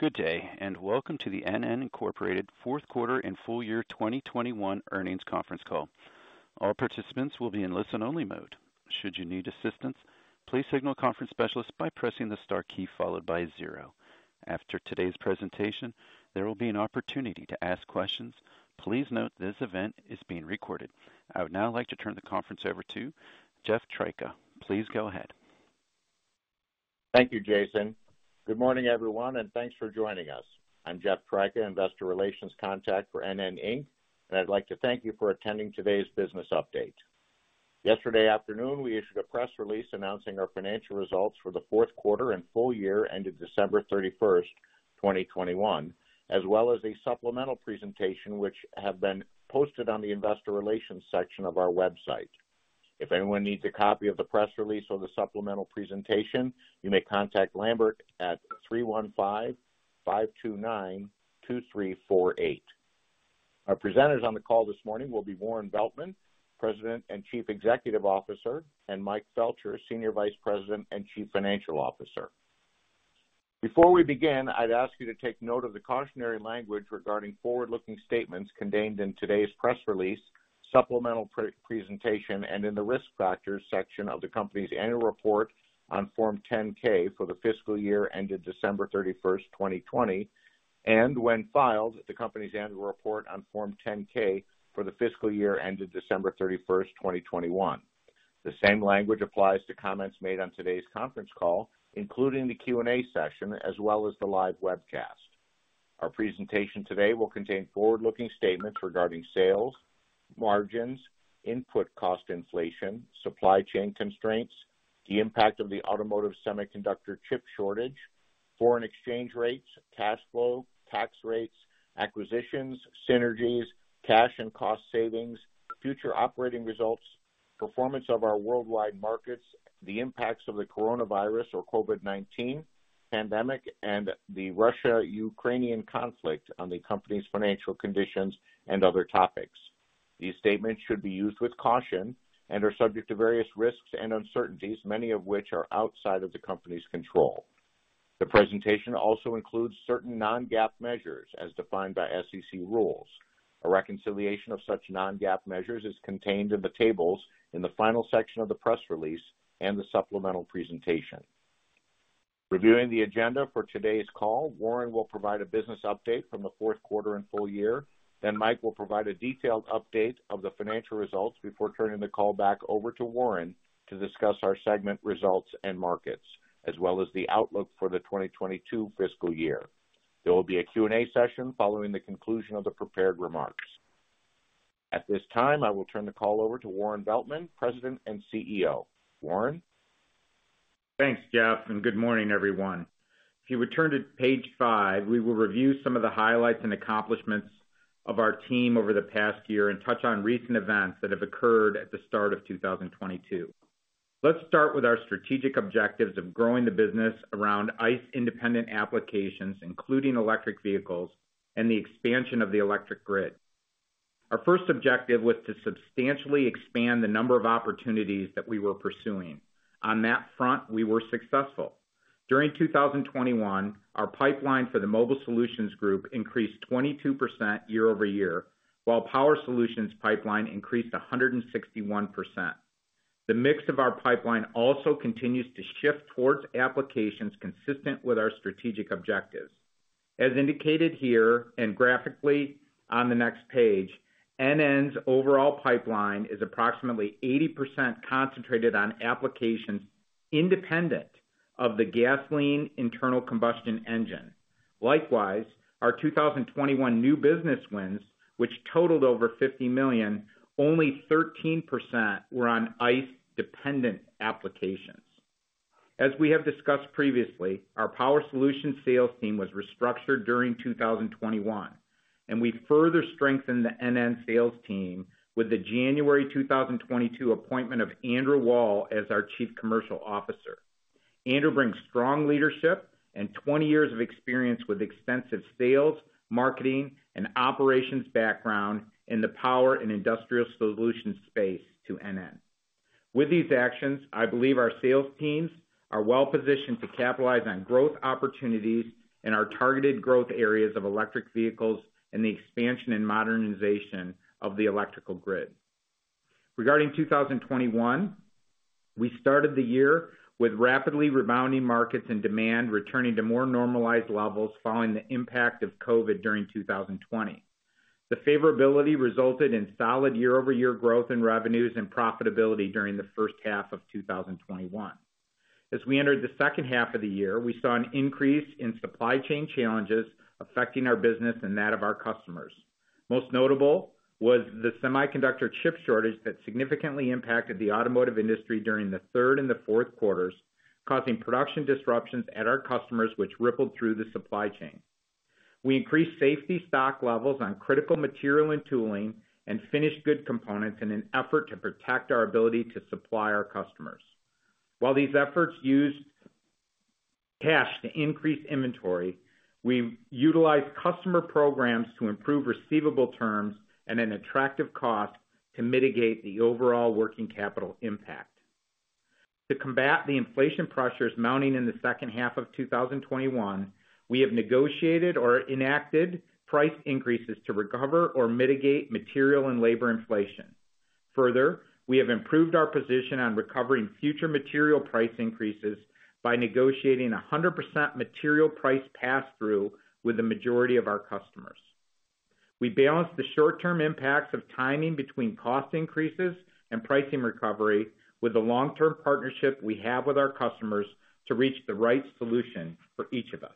Good day, and welcome to the NN, Inc. fourth quarter and full year 2021 earnings conference call. All participants will be in listen-only mode. Should you need assistance, please signal a conference specialist by pressing the star key followed by zero. After today's presentation, there will be an opportunity to ask questions. Please note this event is being recorded. I would now like to turn the conference over to Jeff Tryka. Please go ahead. Thank you, Jason. Good morning, everyone, and thanks for joining us. I'm Jeff Tryka, investor relations contact for NN, Inc., and I'd like to thank you for attending today's business update. Yesterday afternoon, we issued a press release announcing our financial results for the fourth quarter and full year ended December 31, 2021, as well as a supplemental presentation which have been posted on the investor relations section of our website. If anyone needs a copy of the press release or the supplemental presentation, you may contact Lambert at 315-529-2348. Our presenters on the call this morning will be Warren Veltman, President and Chief Executive Officer, and Mike Felcher, Senior Vice President and Chief Financial Officer. Before we begin, I'd ask you to take note of the cautionary language regarding forward-looking statements contained in today's press release, supplemental pre-presentation, and in the Risk Factors section of the company's annual report on Form 10-K for the fiscal year ended December 31, 2020, and when filed, the company's annual report on Form 10-K for the fiscal year ended December 31, 2021. The same language applies to comments made on today's conference call, including the Q&A session, as well as the live webcast. Our presentation today will contain forward-looking statements regarding sales, margins, input cost inflation, supply chain constraints, the impact of the automotive semiconductor chip shortage, foreign exchange rates, cash flow, tax rates, acquisitions, synergies, cash and cost savings, future operating results, performance of our worldwide markets, the impacts of the coronavirus or COVID-19 pandemic, and the Russo-Ukrainian Conflict on the company's financial conditions and other topics. These statements should be used with caution and are subject to various risks and uncertainties, many of which are outside of the company's control. The presentation also includes certain non-GAAP measures as defined by SEC rules. A reconciliation of such non-GAAP measures is contained in the tables in the final section of the press release and the supplemental presentation. Reviewing the agenda for today's call, Warren will provide a business update from the fourth quarter and full year. Then Mike will provide a detailed update of the financial results before turning the call back over to Warren to discuss our segment results and markets, as well as the outlook for the 2022 fiscal year. There will be a Q&A session following the conclusion of the prepared remarks. At this time, I will turn the call over to Warren Veltman, President and CEO. Warren? Thanks, Jeff, and good morning, everyone. If you would turn to page five, we will review some of the highlights and accomplishments of our team over the past year and touch on recent events that have occurred at the start of 2022. Let's start with our strategic objectives of growing the business around ICE-independent applications, including electric vehicles and the expansion of the electric grid. Our first objective was to substantially expand the number of opportunities that we were pursuing. On that front, we were successful. During 2021, our pipeline for the Mobile Solutions group increased 22% year-over-year, while Power Solutions pipeline increased 161%. The mix of our pipeline also continues to shift towards applications consistent with our strategic objectives. As indicated here and graphically on the next page, NN's overall pipeline is approximately 80% concentrated on applications independent of the gasoline internal combustion engine. Likewise, our 2021 new business wins, which totaled over $50 million, only 13% were on ICE-dependent applications. As we have discussed previously, our Power Solutions sales team was restructured during 2021, and we further strengthened the NN sales team with the January 2022 appointment of Andrew Wall as our Chief Commercial Officer. Andrew brings strong leadership and 20 years of experience with extensive sales, marketing, and operations background in the power and industrial solutions space to NN. With these actions, I believe our sales teams are well positioned to capitalize on growth opportunities in our targeted growth areas of electric vehicles and the expansion and modernization of the electrical grid. Regarding 2021, we started the year with rapidly rebounding markets and demand returning to more normalized levels following the impact of COVID during 2020. The favorability resulted in solid year-over-year growth in revenues and profitability during the first half of 2021. As we entered the second half of the year, we saw an increase in supply chain challenges affecting our business and that of our customers. Most notable was the semiconductor chip shortage that significantly impacted the automotive industry during the third and the fourth quarters, causing production disruptions at our customers which rippled through the supply chain. We increased safety stock levels on critical material and tooling and finished good components in an effort to protect our ability to supply our customers. While these efforts used cash to increase inventory, we utilized customer programs to improve receivable terms at an attractive cost to mitigate the overall working capital impact. To combat the inflation pressures mounting in the second half of 2021, we have negotiated or enacted price increases to recover or mitigate material and labor inflation. Further, we have improved our position on recovering future material price increases by negotiating 100% material price passthrough with the majority of our customers. We balance the short-term impacts of timing between cost increases and pricing recovery with the long-term partnership we have with our customers to reach the right solution for each of us.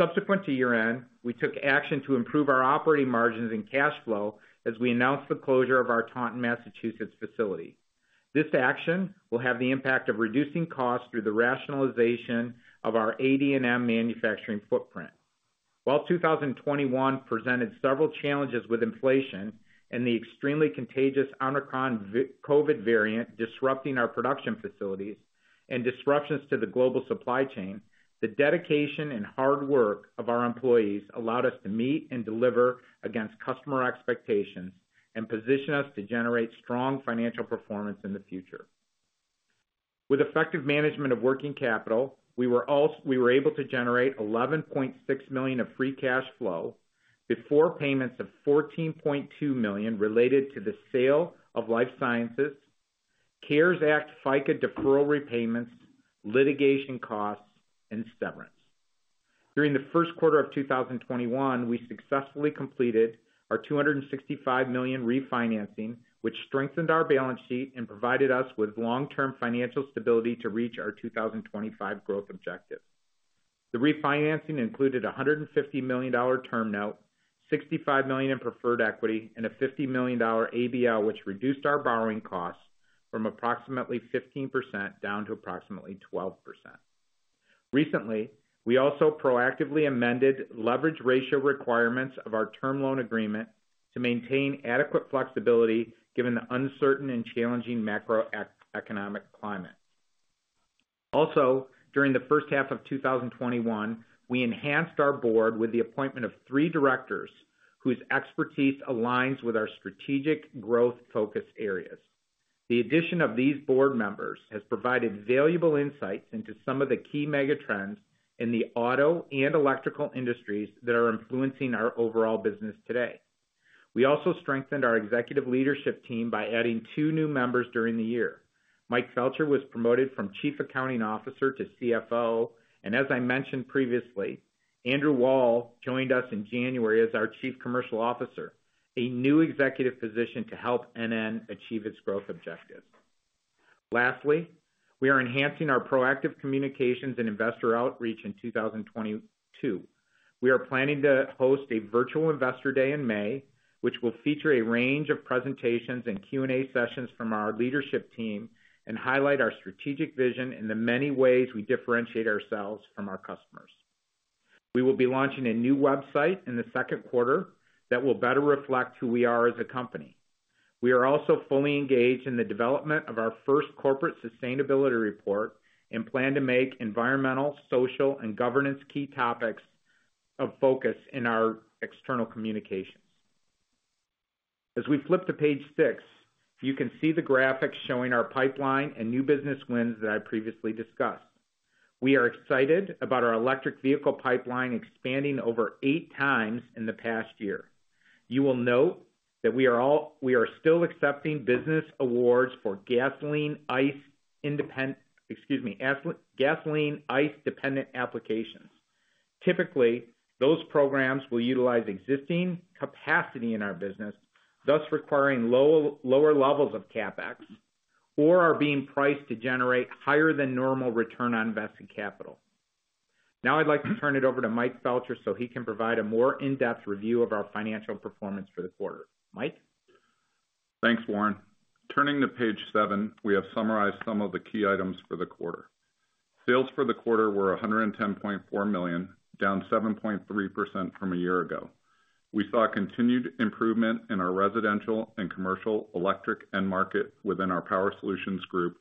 Subsequent to year-end, we took action to improve our operating margins and cash flow as we announced the closure of our Taunton, Massachusetts facility. This action will have the impact of reducing costs through the rationalization of our AD&M manufacturing footprint. While 2021 presented several challenges with inflation and the extremely contagious Omicron COVID variant disrupting our production facilities, and disruptions to the global supply chain, the dedication and hard work of our employees allowed us to meet and deliver against customer expectations and position us to generate strong financial performance in the future. With effective management of working capital, we were able to generate $11.6 million of free cash flow before payments of $14.2 million related to the sale of Life Sciences, CARES Act, FICA deferral repayments, litigation costs, and severance. During the first quarter of 2021, we successfully completed our $265 million refinancing, which strengthened our balance sheet and provided us with long-term financial stability to reach our 2025 growth objective. The refinancing included a $150 million term note, $65 million in preferred equity, and a $50 million ABL, which reduced our borrowing costs from approximately 15% down to approximately 12%. Recently, we also proactively amended leverage ratio requirements of our term loan agreement to maintain adequate flexibility given the uncertain and challenging macroeconomic climate. Also, during the first half of 2021, we enhanced our board with the appointment of three directors whose expertise aligns with our strategic growth focus areas. The addition of these board members has provided valuable insights into some of the key mega trends in the auto and electrical industries that are influencing our overall business today. We also strengthened our executive leadership team by adding two new members during the year. Mike Felcher was promoted from Chief Accounting Officer to CFO. As I mentioned previously, Andrew Wall joined us in January as our Chief Commercial Officer, a new executive position to help NN achieve its growth objectives. Lastly, we are enhancing our proactive communications and investor outreach in 2022. We are planning to host a virtual investor day in May, which will feature a range of presentations and Q&A sessions from our leadership team and highlight our strategic vision in the many ways we differentiate ourselves from our customers. We will be launching a new website in the second quarter that will better reflect who we are as a company. We are also fully engaged in the development of our first corporate sustainability report and plan to make environmental, social, and governance key topics of focus in our external communications. As we flip to page six, you can see the graphics showing our pipeline and new business wins that I previously discussed. We are excited about our electric vehicle pipeline expanding over eight times in the past year. You will note that we are still accepting business awards for gasoline, ICE dependent applications. Excuse me. Typically, those programs will utilize existing capacity in our business, thus requiring lower levels of CapEx, or are being priced to generate higher than normal return on invested capital. Now I'd like to turn it over to Mike Felcher, so he can provide a more in-depth review of our financial performance for the quarter. Mike? Thanks, Warren. Turning to page seven, we have summarized some of the key items for the quarter. Sales for the quarter were $110.4 million, down 7.3% from a year ago. We saw continued improvement in our residential and commercial electric end market within our Power Solutions group,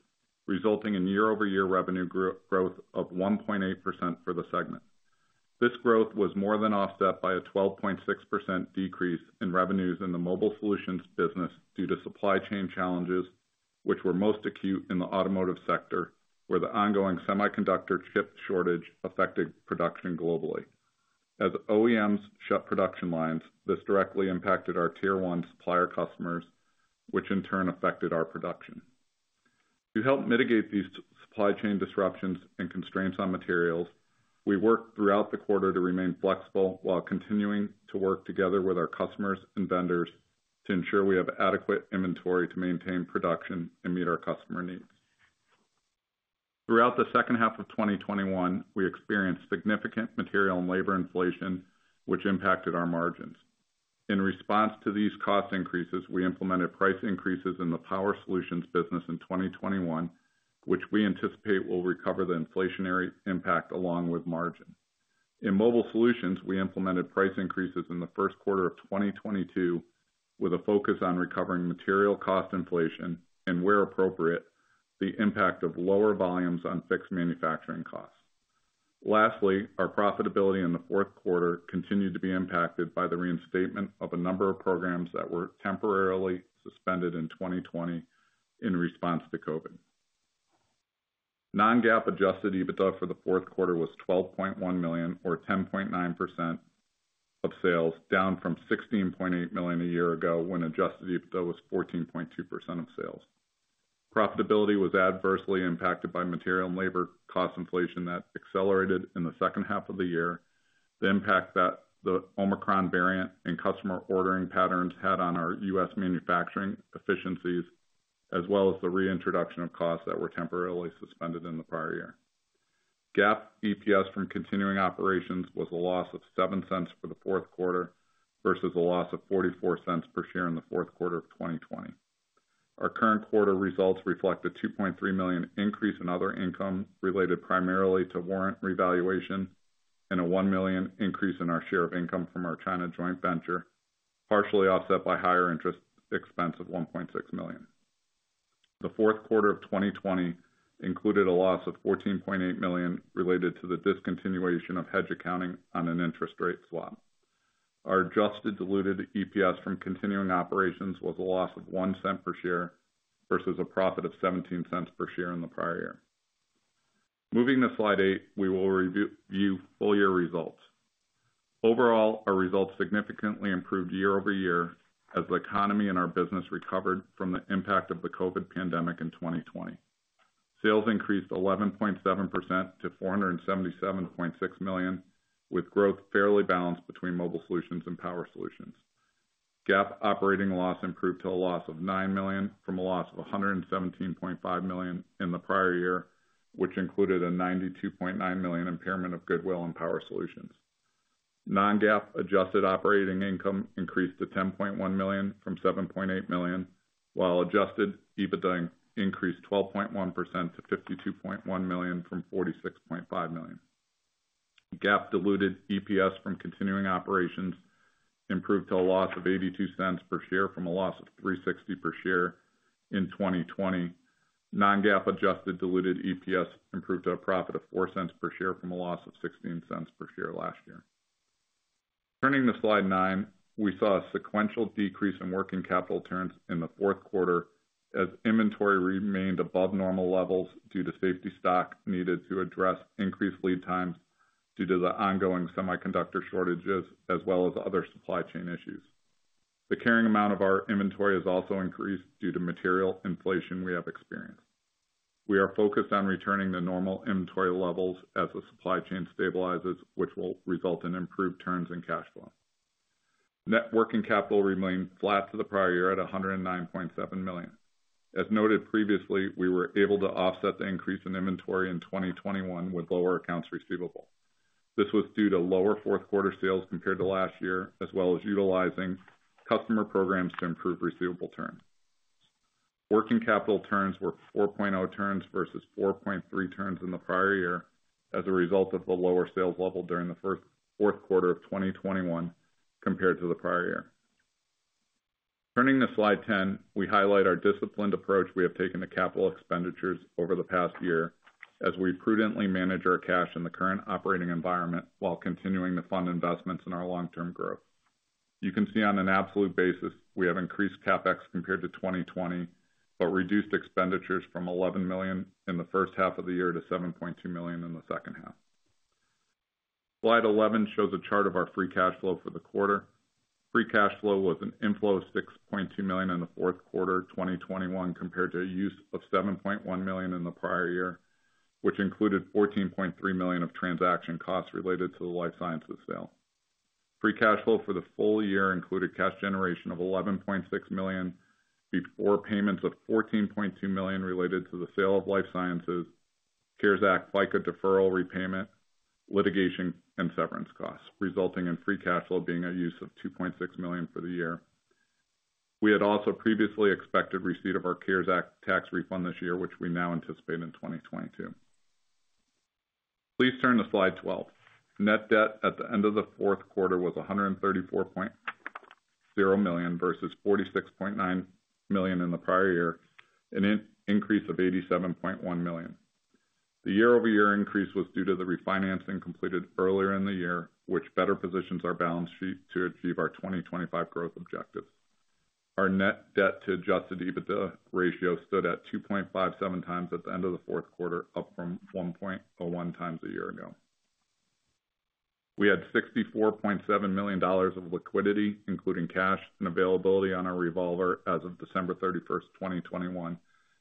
resulting in year-over-year revenue growth of 1.8% for the segment. This growth was more than offset by a 12.6% decrease in revenues in the Mobile Solutions business due to supply chain challenges, which were most acute in the automotive sector, where the ongoing semiconductor chip shortage affected production globally. As OEMs shut production lines, this directly impacted our tier one supplier customers, which in turn affected our production. To help mitigate these supply chain disruptions and constraints on materials, we worked throughout the quarter to remain flexible while continuing to work together with our customers and vendors to ensure we have adequate inventory to maintain production and meet our customer needs. Throughout the second half of 2021, we experienced significant material and labor inflation, which impacted our margins. In response to these cost increases, we implemented price increases in the Power Solutions business in 2021, which we anticipate will recover the inflationary impact along with margin. In Mobile Solutions, we implemented price increases in the first quarter of 2022, with a focus on recovering material cost inflation and, where appropriate, the impact of lower volumes on fixed manufacturing costs. Lastly, our profitability in the fourth quarter continued to be impacted by the reinstatement of a number of programs that were temporarily suspended in 2020 in response to COVID. Non-GAAP adjusted EBITDA for the fourth quarter was $12.1 million or 10.9% of sales, down from $16.8 million a year ago when adjusted EBITDA was 14.2% of sales. Profitability was adversely impacted by material and labor cost inflation that accelerated in the second half of the year, the impact that the Omicron variant and customer ordering patterns had on our US manufacturing efficiencies, as well as the reintroduction of costs that were temporarily suspended in the prior year. GAAP EPS from continuing operations was a loss of $0.07 for the fourth quarter versus a loss of $0.44 per share in the fourth quarter of 2020. Our current quarter results reflect a $2.3 million increase in other income related primarily to warrant revaluation and a $1 million increase in our share of income from our China joint venture, partially offset by higher interest expense of $1.6 million. The fourth quarter of 2020 included a loss of $14.8 million related to the discontinuation of hedge accounting on an interest rate swap. Our adjusted diluted EPS from continuing operations was a loss of $0.01 per share versus a profit of $0.17 per share in the prior year. Moving to slide 8, we will review full year results. Overall, our results significantly improved year-over-year as the economy and our business recovered from the impact of the COVID pandemic in 2020. Sales increased 11.7% to $477.6 million, with growth fairly balanced between Mobile Solutions and Power Solutions. GAAP operating loss improved to a loss of $9 million from a loss of $117.5 million in the prior year, which included a $92.9 million impairment of goodwill in Power Solutions. Non-GAAP adjusted operating income increased to $10.1 million from $7.8 million, while adjusted EBITDA increased 12.1% to $52.1 million from $46.5 million. GAAP diluted EPS from continuing operations improved to a loss of $0.82 per share from a loss of $3.60 per share in 2020. Non-GAAP adjusted diluted EPS improved to a profit of $0.04 per share from a loss of $0.16 per share last year. Turning to slide 9, we saw a sequential decrease in working capital turns in the fourth quarter as inventory remained above normal levels due to safety stock needed to address increased lead times due to the ongoing semiconductor shortages as well as other supply chain issues. The carrying amount of our inventory has also increased due to material inflation we have experienced. We are focused on returning to normal inventory levels as the supply chain stabilizes, which will result in improved turns in cash flow. Net working capital remained flat to the prior year at $109.7 million. As noted previously, we were able to offset the increase in inventory in 2021 with lower accounts receivable. This was due to lower fourth quarter sales compared to last year, as well as utilizing customer programs to improve receivable turns. Working capital turns were 4.0 turns versus 4.3 turns in the prior year as a result of the lower sales level during the fourth quarter of 2021 compared to the prior year. Turning to slide 10, we highlight our disciplined approach we have taken to capital expenditures over the past year as we prudently manage our cash in the current operating environment while continuing to fund investments in our long-term growth. You can see on an absolute basis, we have increased CapEx compared to 2020, but reduced expenditures from $11 million in the first half of the year to $7.2 million in the second half. Slide 11 shows a chart of our free cash flow for the quarter. Free cash flow was an inflow of $6.2 million in the fourth quarter of 2021 compared to a use of $7.1 million in the prior year, which included $14.3 million of transaction costs related to the Life Sciences sale. Free cash flow for the full year included cash generation of $11.6 million before payments of $14.2 million related to the sale of Life Sciences, CARES Act, FICA deferral repayment, litigation, and severance costs, resulting in free cash flow being a use of $2.6 million for the year. We had also previously expected receipt of our CARES Act tax refund this year, which we now anticipate in 2022. Please turn to slide 12. Net debt at the end of the fourth quarter was $134.0 million, versus $46.9 million in the prior year, an increase of $87.1 million. The year-over-year increase was due to the refinancing completed earlier in the year, which better positions our balance sheet to achieve our 2025 growth objectives. Our net debt to adjusted EBITDA ratio stood at 2.57 times at the end of the fourth quarter, up from 1.01 times a year ago. We had $64.7 million of liquidity, including cash and availability on our revolver as of December 31, 2021,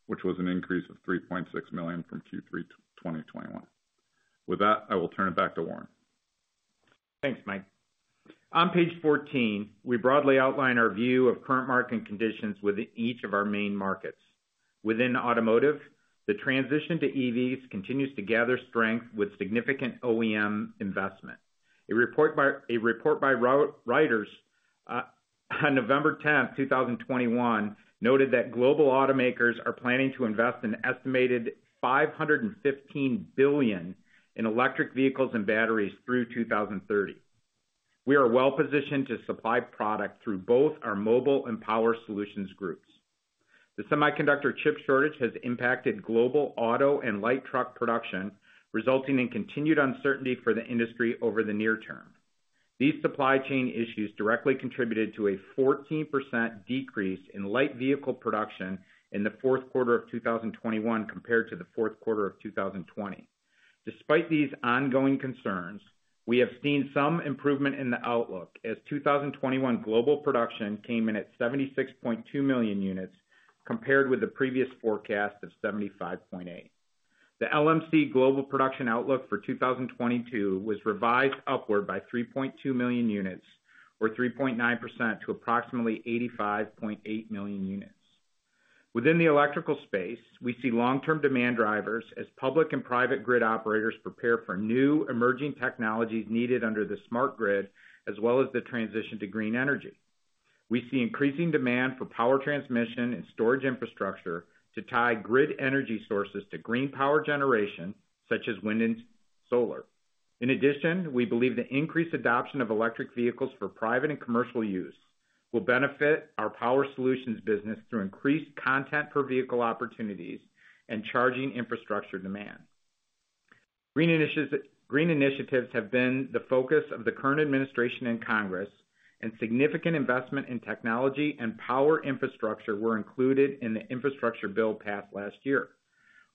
which was an increase of $3.6 million from Q3 2021. With that, I will turn it back to Warren. Thanks, Mike. On page 14, we broadly outline our view of current market conditions within each of our main markets. Within automotive, the transition to EVs continues to gather strength with significant OEM investment. A report by Reuters on November 10, 2021, noted that global automakers are planning to invest an estimated $515 billion in electric vehicles and batteries through 2030. We are well-positioned to supply product through both our Mobile Solutions and Power Solutions groups. The semiconductor chip shortage has impacted global auto and light truck production, resulting in continued uncertainty for the industry over the near term. These supply chain issues directly contributed to a 14% decrease in light vehicle production in the fourth quarter of 2021 compared to the fourth quarter of 2020. Despite these ongoing concerns, we have seen some improvement in the outlook as 2021 global production came in at 76.2 million units compared with the previous forecast of 75.8. The LMC global production outlook for 2022 was revised upward by 3.2 million units or 3.9% to approximately 85.8 million units. Within the electrical space, we see long-term demand drivers as public and private grid operators prepare for new emerging technologies needed under the smart grid as well as the transition to green energy. We see increasing demand for power transmission and storage infrastructure to tie grid energy sources to green power generation such as wind and solar. In addition, we believe the increased adoption of electric vehicles for private and commercial use will benefit our Power Solutions business through increased content per vehicle opportunities and charging infrastructure demand. Green initiatives have been the focus of the current administration in Congress, and significant investment in technology and power infrastructure were included in the infrastructure bill passed last year.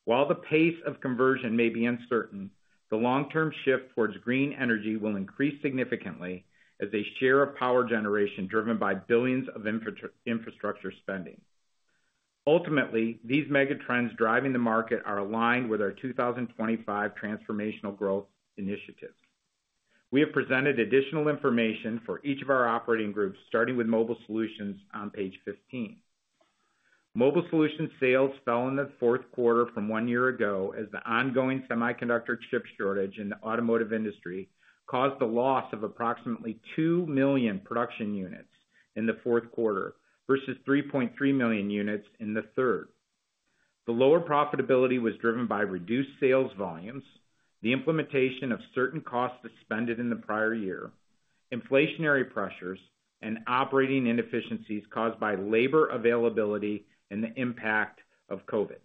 While the pace of conversion may be uncertain, the long-term shift towards green energy will increase significantly as a share of power generation driven by billions of infrastructure spending. Ultimately, these mega trends driving the market are aligned with our 2025 transformational growth initiatives. We have presented additional information for each of our operating groups, starting with Mobile Solutions on page 15. Mobile Solutions sales fell in the fourth quarter from one year ago as the ongoing semiconductor chip shortage in the automotive industry caused the loss of approximately 2 million production units in the fourth quarter versus 3.3 million units in the third. The lower profitability was driven by reduced sales volumes, the implementation of certain costs suspended in the prior year, inflationary pressures, and operating inefficiencies caused by labor availability and the impact of COVID.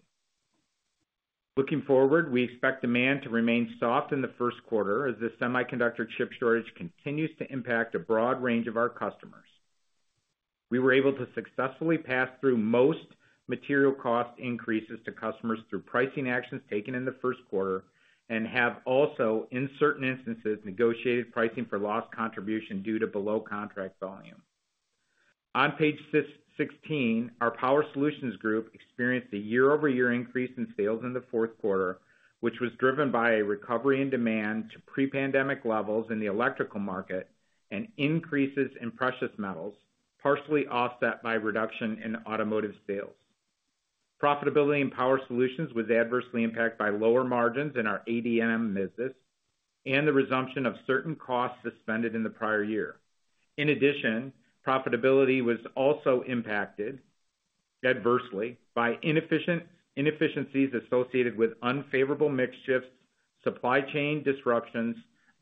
Looking forward, we expect demand to remain soft in the first quarter as the semiconductor chip shortage continues to impact a broad range of our customers. We were able to successfully pass through most material cost increases to customers through pricing actions taken in the first quarter and have also, in certain instances, negotiated pricing for lost contribution due to below contract volume. On page 16, our Power Solutions group experienced a year-over-year increase in sales in the fourth quarter, which was driven by a recovery in demand to pre-pandemic levels in the electrical market and increases in precious metals, partially offset by reduction in automotive sales. Profitability in Power Solutions was adversely impacted by lower margins in our ADM business and the resumption of certain costs suspended in the prior year. In addition, profitability was also impacted adversely by inefficiencies associated with unfavorable mix shifts, supply chain disruptions,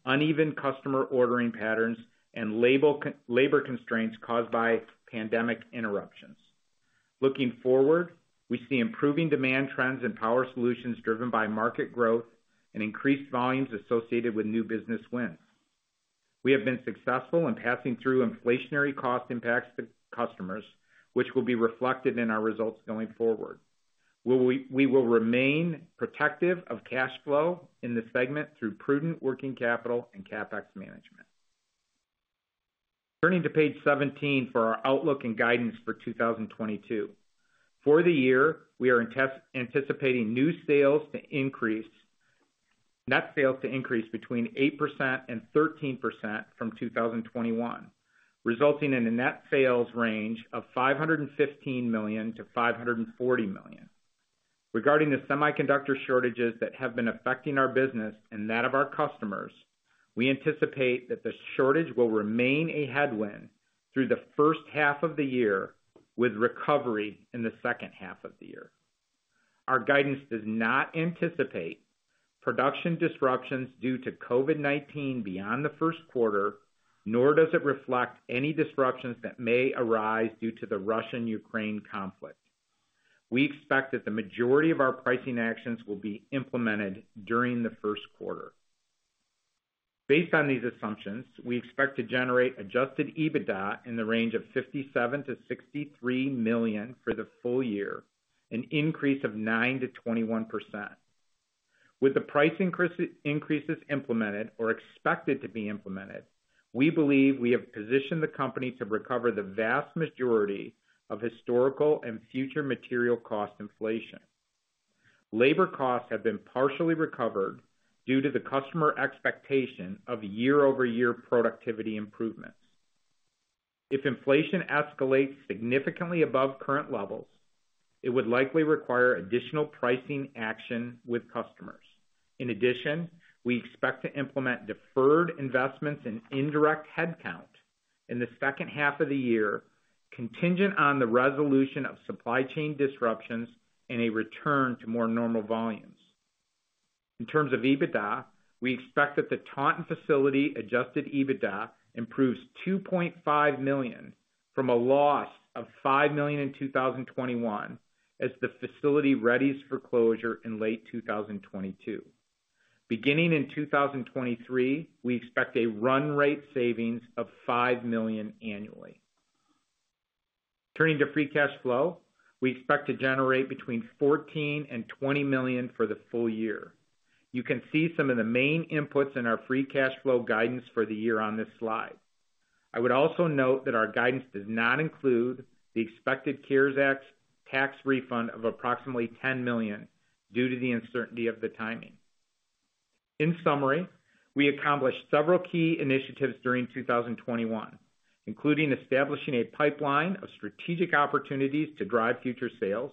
uneven customer ordering patterns, and labor constraints caused by pandemic interruptions. Looking forward, we see improving demand trends in Power Solutions driven by market growth and increased volumes associated with new business wins. We have been successful in passing through inflationary cost impacts to customers, which will be reflected in our results going forward, where we will remain protective of cash flow in the segment through prudent working capital and CapEx management. Turning to page 17 for our outlook and guidance for 2022. For the year, we are anticipating net sales to increase between 8% and 13% from 2021, resulting in a net sales range of $515 million-$540 million. Regarding the semiconductor shortages that have been affecting our business and that of our customers, we anticipate that the shortage will remain a headwind through the first half of the year, with recovery in the second half of the year. Our guidance does not anticipate production disruptions due to COVID-19 beyond the first quarter, nor does it reflect any disruptions that may arise due to the Russian-Ukraine conflict. We expect that the majority of our pricing actions will be implemented during the first quarter. Based on these assumptions, we expect to generate adjusted EBITDA in the range of $57 million-$63 million for the full year, an increase of 9%-21%. With the price increases implemented or expected to be implemented, we believe we have positioned the company to recover the vast majority of historical and future material cost inflation. Labor costs have been partially recovered due to the customer expectation of year-over-year productivity improvements. If inflation escalates significantly above current levels, it would likely require additional pricing action with customers. In addition, we expect to implement deferred investments in indirect headcount in the second half of the year, contingent on the resolution of supply chain disruptions and a return to more normal volumes. In terms of EBITDA, we expect that the Taunton facility adjusted EBITDA improves $2.5 million from a loss of $5 million in 2021 as the facility readies for closure in late 2022. Beginning in 2023, we expect a run rate savings of $5 million annually. Turning to free cash flow, we expect to generate between $14 million and $20 million for the full year. You can see some of the main inputs in our free cash flow guidance for the year on this slide. I would also note that our guidance does not include the expected CARES Act tax refund of approximately $10 million due to the uncertainty of the timing. In summary, we accomplished several key initiatives during 2021, including establishing a pipeline of strategic opportunities to drive future sales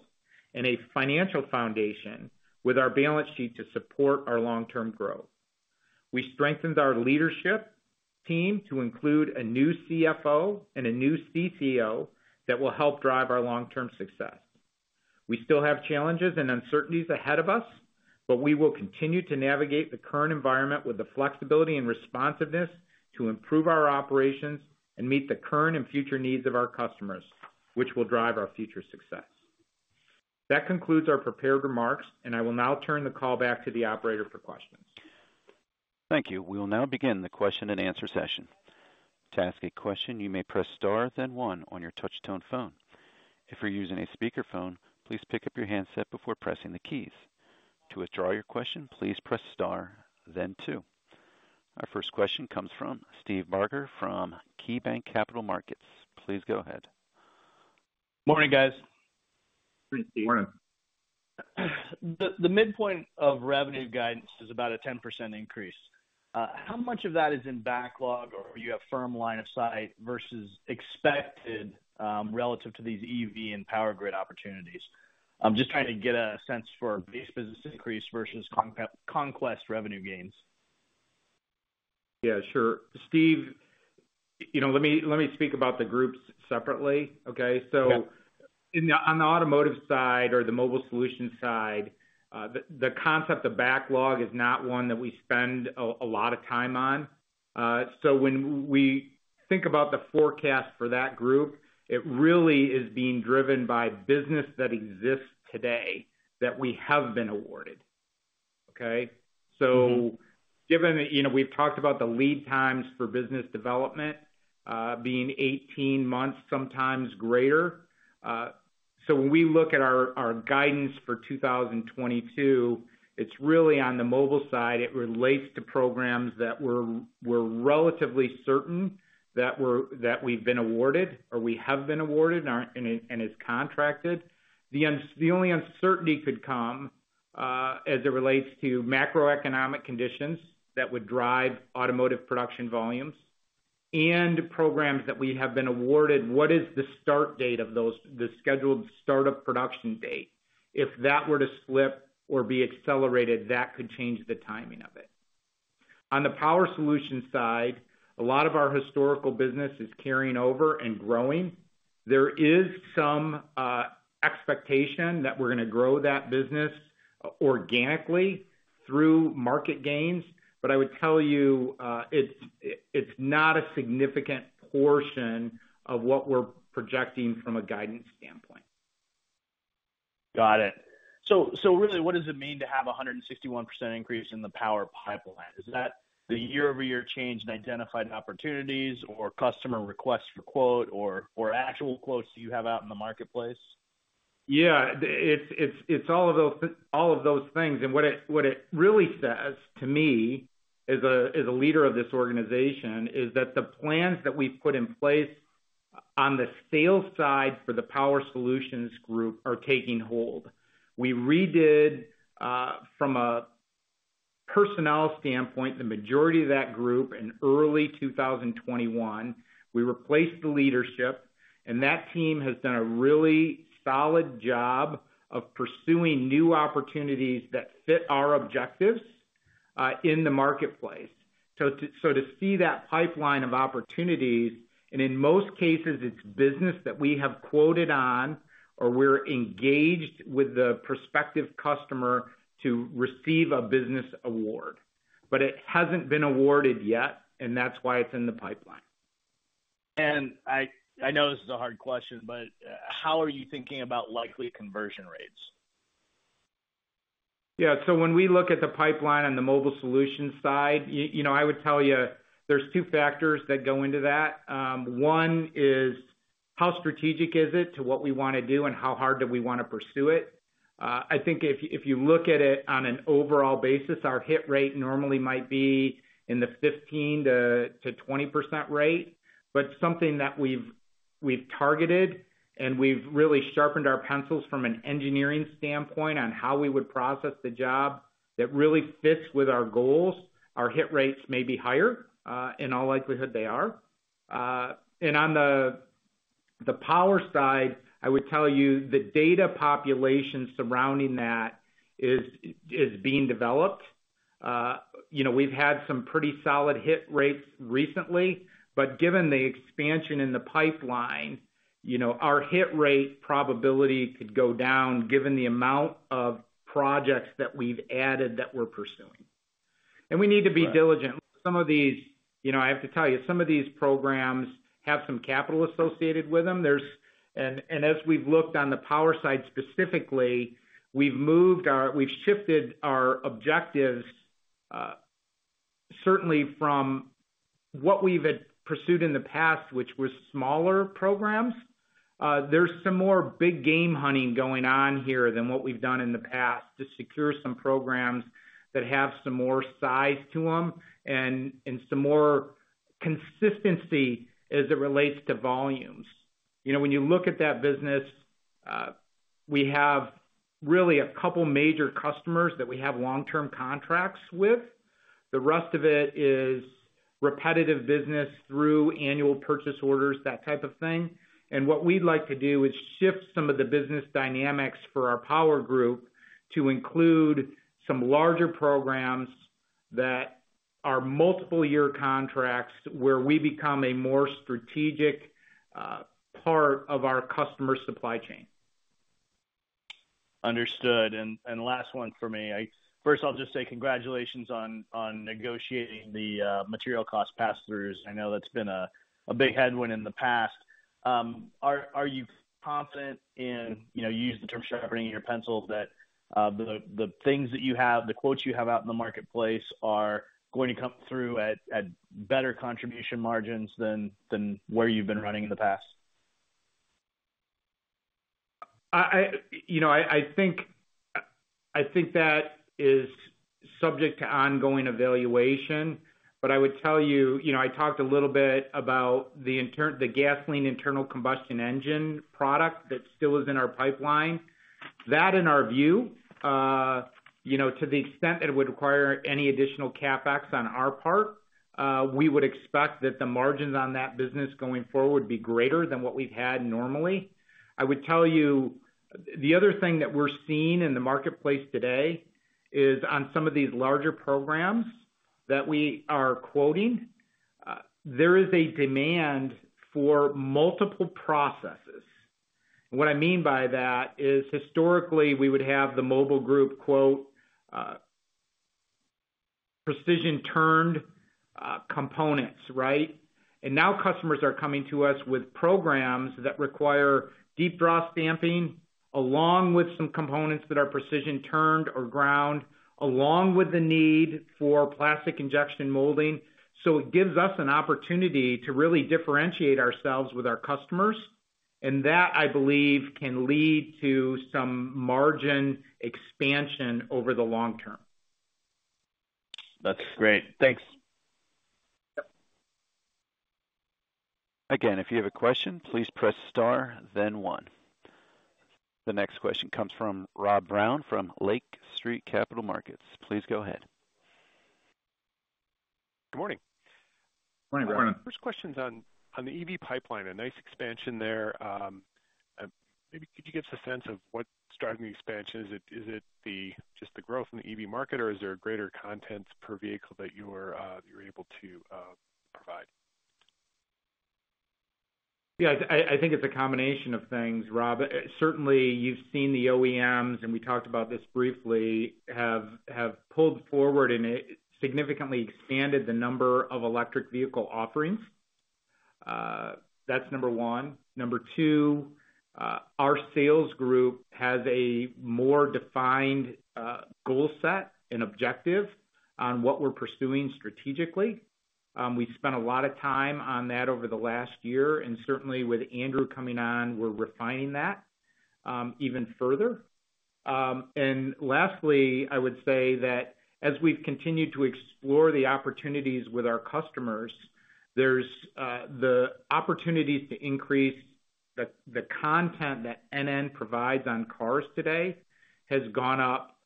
and a financial foundation with our balance sheet to support our long-term growth. We strengthened our leadership team to include a new CFO and a new CCO that will help drive our long-term success. We still have challenges and uncertainties ahead of us, but we will continue to navigate the current environment with the flexibility and responsiveness to improve our operations and meet the current and future needs of our customers, which will drive our future success. That concludes our prepared remarks, and I will now turn the call back to the operator for questions. Thank you. We will now begin the question and answer session. To ask a question, you may press Star then one on your touch tone phone. If you're using a speakerphone, please pick up your handset before pressing the keys. To withdraw your question, please press Star then two. Our first question comes from Steve Barger from KeyBanc Capital Markets. Please go ahead. Morning, guys. Good morning, Steve. Morning. The midpoint of revenue guidance is about a 10% increase. How much of that is in backlog or you have firm line of sight versus expected, relative to these EV and power grid opportunities? I'm just trying to get a sense for base business increase versus conquest revenue gains. Yeah, sure. Steve, you know, let me speak about the groups separately, okay? Yeah. On the automotive side or the Mobile Solutions side, the concept of backlog is not one that we spend a lot of time on. When we think about the forecast for that group, it really is being driven by business that exists today that we have been awarded, okay? Mm-hmm. Given that, you know, we've talked about the lead times for business development being 18 months, sometimes greater. When we look at our guidance for 2022, it's really on the mobile side, it relates to programs that we're relatively certain that we've been awarded or we have been awarded and are contracted. The only uncertainty could come as it relates to macroeconomic conditions that would drive automotive production volumes and programs that we have been awarded. What is the scheduled start of production date? If that were to slip or be accelerated, that could change the timing of it. On the power solution side, a lot of our historical business is carrying over and growing. There is some expectation that we're gonna grow that business organically through market gains, but I would tell you, it's not a significant portion of what we're projecting from a guidance standpoint. Got it. Really, what does it mean to have a 161% increase in the power pipeline? Is that the year-over-year change in identified opportunities or customer requests for quote or actual quotes you have out in the marketplace? Yeah. It's all of those things. What it really says to me as a leader of this organization is that the plans that we've put in place on the sales side for the Power Solutions group are taking hold. We redid, from a personnel standpoint, the majority of that group in early 2021. We replaced the leadership, and that team has done a really solid job of pursuing new opportunities that fit our objectives in the marketplace. To see that pipeline of opportunities, and in most cases, it's business that we have quoted on or we're engaged with the prospective customer to receive a business award, but it hasn't been awarded yet, and that's why it's in the pipeline. I know this is a hard question, but how are you thinking about likely conversion rates? Yeah. When we look at the pipeline on the Mobile Solutions side, you know, I would tell you there's two factors that go into that. One is how strategic is it to what we wanna do and how hard do we wanna pursue it? I think if you look at it on an overall basis, our hit rate normally might be in the 15%-20% rate. Something that we've targeted and we've really sharpened our pencils from an engineering standpoint on how we would process the job that really fits with our goals, our hit rates may be higher. In all likelihood, they are. On the Power Solutions side, I would tell you the data population surrounding that is being developed. You know, we've had some pretty solid hit rates recently, but given the expansion in the pipeline. You know, our hit rate probability could go down given the amount of projects that we've added that we're pursuing. We need to be diligent. Some of these. You know, I have to tell you, some of these programs have some capital associated with them. And as we've looked on the power side specifically, we've shifted our objectives, certainly from what we've had pursued in the past, which was smaller programs. There's some more big game hunting going on here than what we've done in the past to secure some programs that have some more size to them and some more consistency as it relates to volumes. You know, when you look at that business, we have really a couple major customers that we have long-term contracts with. The rest of it is repetitive business through annual purchase orders, that type of thing. What we'd like to do is shift some of the business dynamics for our power group to include some larger programs that are multiple year contracts, where we become a more strategic part of our customer supply chain. Understood. Last one for me. First of all, just say congratulations on negotiating the material cost pass-throughs. I know that's been a big headwind in the past. Are you confident in, you know, you used the term sharpening your pencils, that the things that you have, the quotes you have out in the marketplace are going to come through at better contribution margins than where you've been running in the past? You know, I think that is subject to ongoing evaluation. I would tell you know, I talked a little bit about the gasoline internal combustion engine product that still is in our pipeline. That in our view, you know, to the extent it would require any additional CapEx on our part, we would expect that the margins on that business going forward would be greater than what we've had normally. I would tell you, the other thing that we're seeing in the marketplace today is on some of these larger programs that we are quoting, there is a demand for multiple processes. What I mean by that is, historically, we would have the mobile group quote precision turned components, right? Now customers are coming to us with programs that require deep draw stamping, along with some components that are precision turned or ground, along with the need for plastic injection molding. It gives us an opportunity to really differentiate ourselves with our customers. That, I believe, can lead to some margin expansion over the long term. That's great. Thanks. Yep. Again, if you have a question, please press star then one. The next question comes from Rob Brown from Lake Street Capital Markets. Please go ahead. Good morning. Good morning. Morning. First question's on the EV pipeline, a nice expansion there. Maybe you could give us a sense of what's driving the expansion? Is it just the growth in the EV market, or is there a greater content per vehicle that you're able to provide? Yeah. I think it's a combination of things, Rob. Certainly, you've seen the OEMs, and we talked about this briefly, have pulled forward and significantly expanded the number of electric vehicle offerings. That's number one. Number two, our sales group has a more defined goal set and objective on what we're pursuing strategically. We've spent a lot of time on that over the last year, and certainly with Andrew coming on, we're refining that even further. Lastly, I would say that as we've continued to explore the opportunities with our customers, there's the opportunity to increase the content that NN provides on cars today has gone up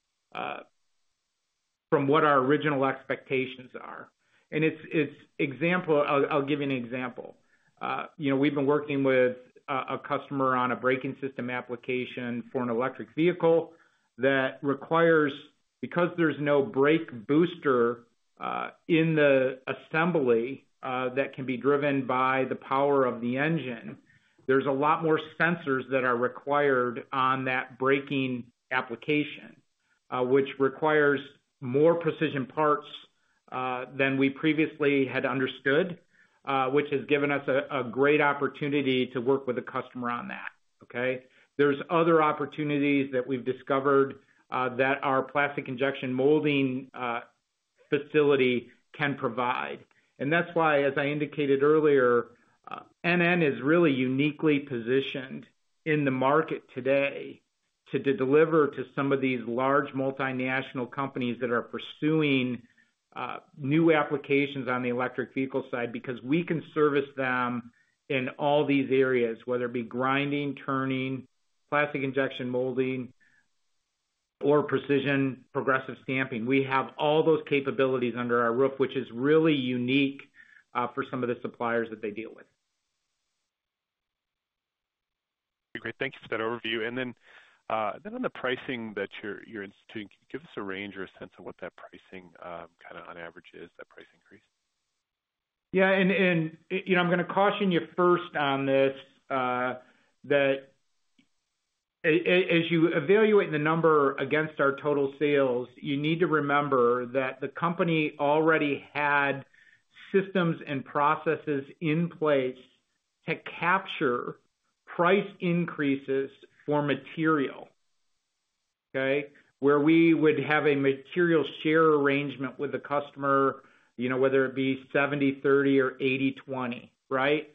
from what our original expectations are. I'll give you an example. You know, we've been working with a customer on a braking system application for an electric vehicle that requires because there's no brake booster in the assembly that can be driven by the power of the engine, there's a lot more sensors that are required on that braking application, which requires more precision parts than we previously had understood, which has given us a great opportunity to work with the customer on that. Okay? There's other opportunities that we've discovered that our plastic injection molding facility can provide. That's why, as I indicated earlier, NN is really uniquely positioned in the market today to deliver to some of these large multinational companies that are pursuing new applications on the electric vehicle side, because we can service them in all these areas, whether it be grinding, turning, plastic injection molding, or precision progressive stamping. We have all those capabilities under our roof, which is really unique for some of the suppliers that they deal with. Great. Thank you for that overview. On the pricing that you're instituting, give us a range or a sense of what that pricing kinda on average is, that price increase? Yeah, you know, I'm gonna caution you first on this, that as you evaluate the number against our total sales, you need to remember that the company already had systems and processes in place to capture price increases for material, okay? Where we would have a material share arrangement with the customer, you know, whether it be 70/30 or 80/20, right?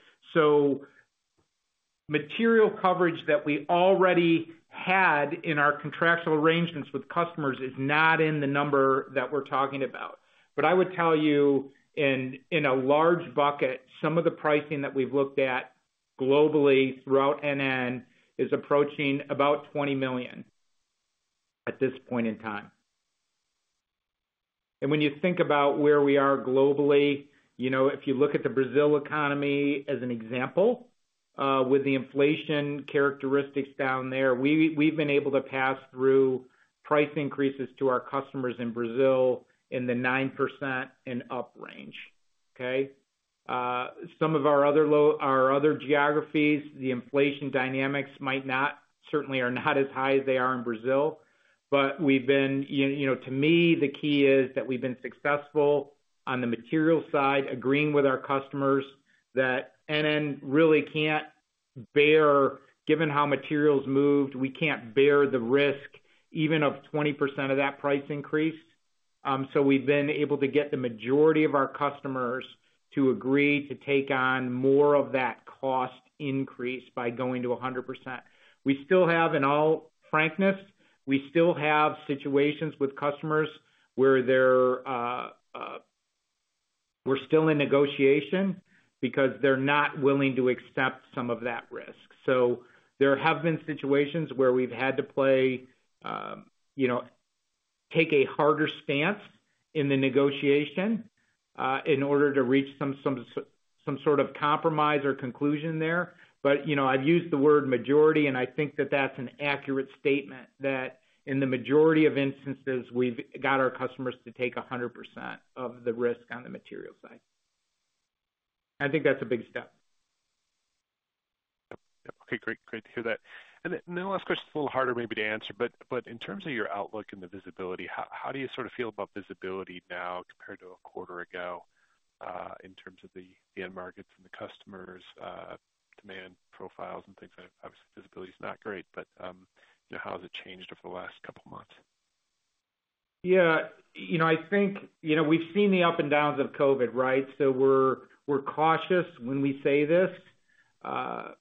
Material coverage that we already had in our contractual arrangements with customers is not in the number that we're talking about. I would tell you in a large bucket, some of the pricing that we've looked at globally throughout NN is approaching about $20 million at this point in time. When you think about where we are globally, you know, if you look at the Brazilian economy as an example, with the inflation characteristics down there, we've been able to pass through price increases to our customers in Brazil in the 9% and up range. Okay? Some of our other geographies, the inflation dynamics certainly are not as high as they are in Brazil, but you know, to me, the key is that we've been successful on the material side, agreeing with our customers that NN really can't bear, given how materials moved, we can't bear the risk even of 20% of that price increase. So we've been able to get the majority of our customers to agree to take on more of that cost increase by going to 100%. In all frankness, we still have situations with customers where we're still in negotiation because they're not willing to accept some of that risk. There have been situations where we've had to play, you know, take a harder stance in the negotiation, in order to reach some sort of compromise or conclusion there. You know, I've used the word majority, and I think that's an accurate statement that in the majority of instances, we've got our customers to take 100% of the risk on the material side. I think that's a big step. Yep. Okay, great. Great to hear that. The last question is a little harder maybe to answer, but in terms of your outlook and the visibility, how do you sort of feel about visibility now compared to a quarter ago, in terms of the end markets and the customers' demand profiles and things like that? Obviously, visibility is not great, but you know, how has it changed over the last couple months? Yeah. You know, I think, you know, we've seen the ups and downs of COVID, right? We're cautious when we say this, that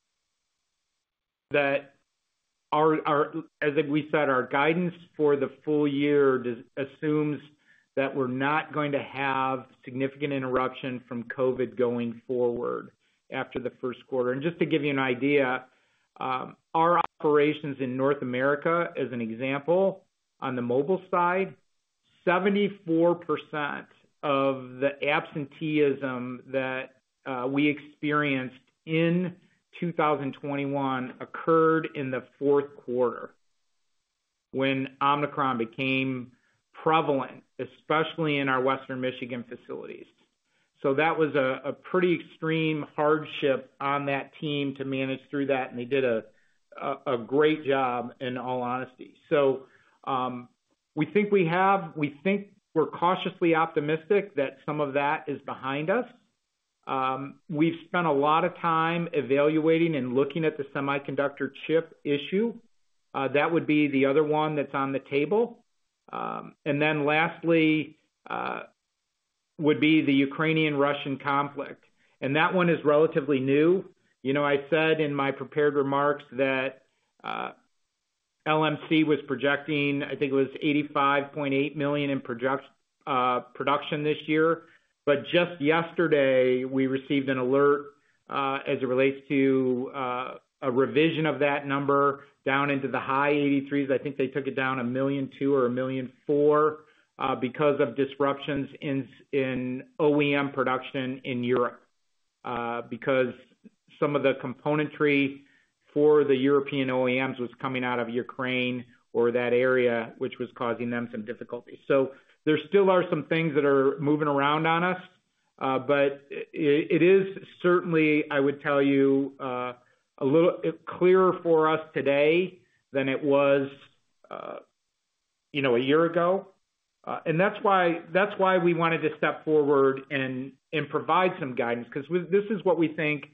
our, as we said, like, our guidance for the full year assumes that we're not going to have significant interruption from COVID going forward after the first quarter. Just to give you an idea, our operations in North America, as an example, on the mobile side, 74% of the absenteeism that we experienced in 2021 occurred in the fourth quarter when Omicron became prevalent, especially in our Western Michigan facilities. That was a pretty extreme hardship on that team to manage through that, and they did a great job, in all honesty. We think we're cautiously optimistic that some of that is behind us. We've spent a lot of time evaluating and looking at the semiconductor chip issue. That would be the other one that's on the table. Lastly, would be the Ukrainian-Russian conflict. That one is relatively new. You know, I said in my prepared remarks that LMC was projecting, I think it was 85.8 million in production this year. But just yesterday, we received an alert as it relates to a revision of that number down into the high 80s. I think they took it down 1.2 million or 1.4 million because of disruptions in OEM production in Europe because some of the componentry for the European OEMs was coming out of Ukraine or that area, which was causing them some difficulty. There still are some things that are moving around on us, but it is certainly, I would tell you, a little clearer for us today than it was, you know, a year ago. That's why we wanted to step forward and provide some guidance because this is what we think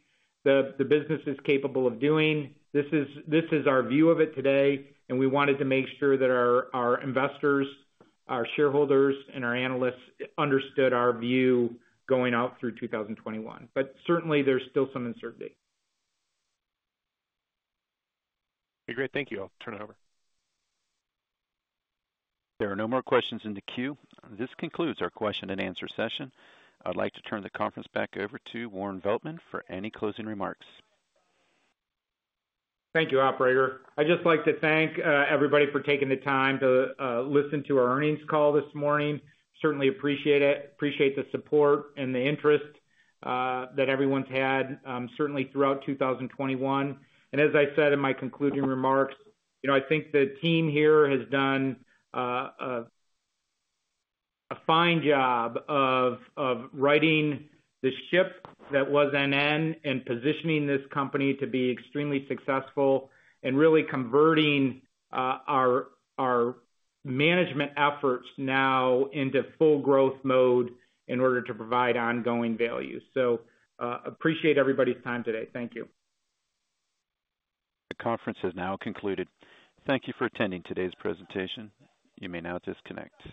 the business is capable of doing. This is our view of it today, and we wanted to make sure that our investors, our shareholders, and our analysts understood our view going out through 2021. Certainly, there's still some uncertainty. Okay, great. Thank you. I'll turn it over. There are no more questions in the queue. This concludes our question and answer session. I'd like to turn the conference back over to Warren Veltman for any closing remarks. Thank you, operator. I'd just like to thank everybody for taking the time to listen to our earnings call this morning. Certainly appreciate it, appreciate the support and the interest that everyone's had certainly throughout 2021. As I said in my concluding remarks, you know, I think the team here has done a fine job of righting the ship that was NN and positioning this company to be extremely successful and really converting our management efforts now into full growth mode in order to provide ongoing value. Appreciate everybody's time today. Thank you. The conference has now concluded. Thank you for attending today's presentation. You may now disconnect.